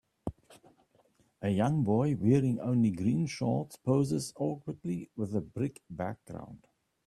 A young boy wearing only green shorts poses awkwardly with a brick background.